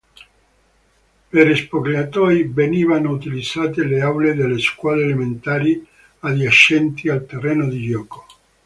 Per spogliatoi venivano utilizzate le aule delle Scuole Elementari adiacenti al terreno di gioco.